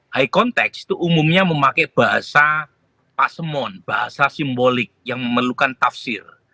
high context itu umumnya memakai bahasa pasemon bahasa simbolik yang memerlukan tafsir